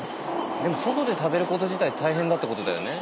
でも外で食べること自体大変だってことだよね。